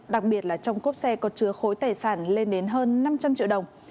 đặc biệt là trong cốp xe có chứa khối tài sản lên đến hơn năm trăm linh triệu đồng